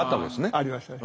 ありましたね。